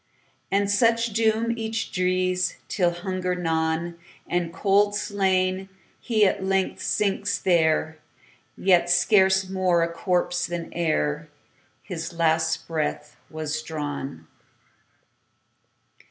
And such doom each drees, Till, hunger gnawn, And cold slain, he at length sinks there, Yet scarce more a corpse than ereHis last breath was drawn.